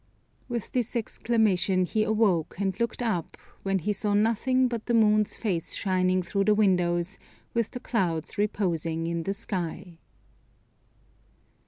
With this exclamation he awoke, and looked up, when he saw nothing but the moon's face shining through the windows, with the clouds reposing in the sky.